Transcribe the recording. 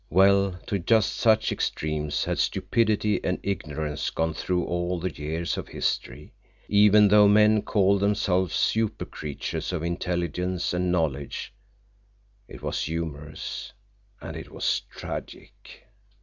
Well, to just such extremes had stupidity and ignorance gone through all the years of history, even though men called themselves super creatures of intelligence and knowledge. It was humorous. And it was tragic.